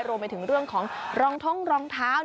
รวมไปถึงเรื่องของรองท้องรองเท้า